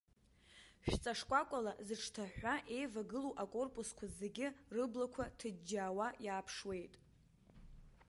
Шәҵа шкәа-кәала зыҽҭаҳәҳәа еивагылоу акорпусқәа зегьы рыблақәа ҭыџьџьаауа иааԥшуеит.